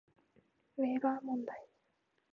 ウェーバー問題